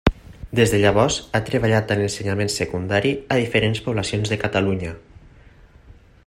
Des de llavors ha treballat a l’ensenyament secundari a diferents poblacions de Catalunya.